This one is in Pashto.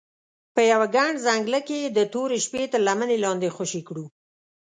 په یوه ګڼ ځنګله کې یې د تورې شپې تر لمنې لاندې خوشې کړو.